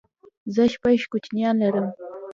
زه شپږ کوچنيان لرم